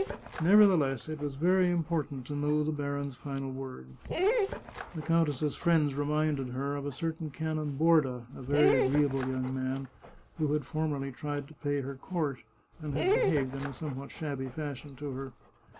Nevertheless, it was very important to know the baron's final word. The countess's friends reminded her of a certain Canon Borda, a very agreeable young man, who had formerly tried to pay her court, and had behaved in a somewhat shabby fashion to her.